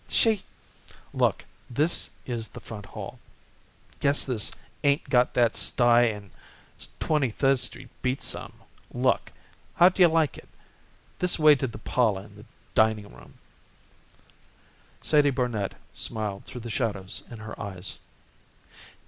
"She " "Look, this is the front hall. Guess this 'ain't got that sty in Twenty third Street beat some. Look! How do you like it? This way to the parlor and dining room." Sadie Barnet smiled through the shadows in her eyes.